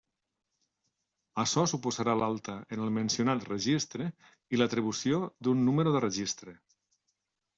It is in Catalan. Açò suposarà l'alta en el mencionat registre i l'atribució d'un número de registre.